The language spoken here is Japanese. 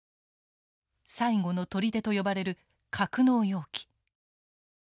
最後の砦と呼ばれる格納容器。